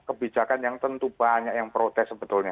kebijakan yang tentu banyak yang protes sebetulnya